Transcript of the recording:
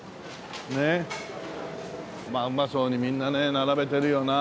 まあうまそうにみんなね並べてるよなあ。